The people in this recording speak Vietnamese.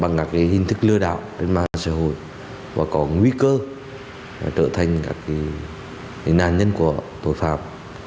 bằng các hình thức lừa đảo trên mạng xã hội và có nguy cơ trở thành các nạn nhân của tội phạm